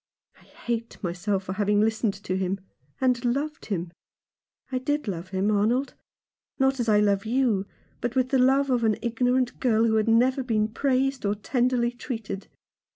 I hate myself for having listened to him — and loved him. I did love him, Arnold ; not as I love you, but with the love of an ignorant girl who had never been praised or tenderly treated.